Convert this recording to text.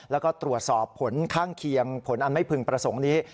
แล้วก็ตรวจสอบผลข้างเคียงผลอันไม่พึงประสงค์นี้